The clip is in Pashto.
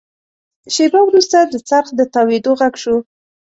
شېبه وروسته د څرخ د تاوېدو غږ شو.